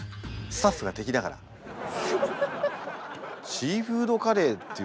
シーフードカレーっていうか